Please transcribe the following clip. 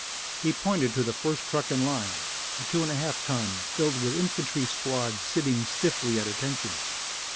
He pointed to the first truck in line, a 2½ ton filled with an infantry squad sitting stiffly at attention.